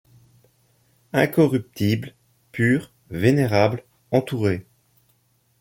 Incorruptible, pur, vénérable, entouré